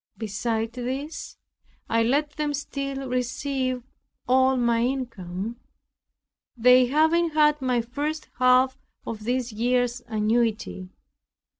Besides this, I let them still receive all my income, they having had my first half of this year's annuity.